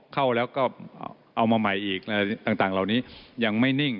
เข้าแล้วก็เอามาใหม่อีกอะไรต่างเหล่านี้ยังไม่นิ่ง